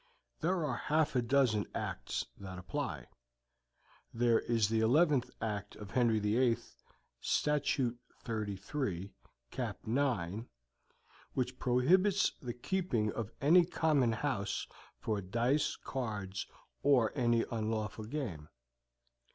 There are half a dozen Acts that apply; there is the 11th Act of Henry VIII, statute 33, cap. 9, which prohibits the keeping of any common house for dice, cards, or any unlawful game.